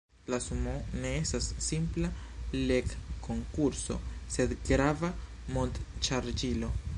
La Sumoo ne estas simpla legkonkurso, sed grava mond-ŝanĝilo.